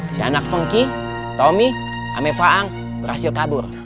si anak funky tommy amefaang berhasil kabur